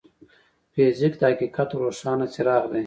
فزیک د حقیقت روښانه څراغ دی.